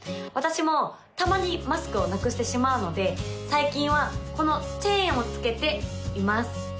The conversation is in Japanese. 私もたまにマスクをなくしてしまうので最近はこのチェーンをつけています